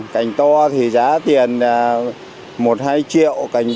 cảnh to thì giá tiền là một hai triệu